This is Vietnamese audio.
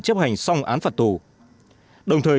chấp hành xong án phạt tù đồng thời